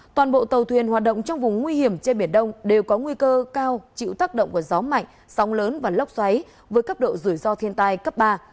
toàn bộ tàu thuyền hoạt động trong vùng nguy hiểm trên biển đông đều có nguy cơ cao chịu tác động của gió mạnh sóng lớn và lốc xoáy với cấp độ rủi ro thiên tai cấp ba